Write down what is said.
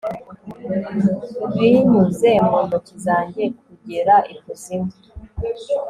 Binyuze mu ntoki zanjye kugera ikuzimu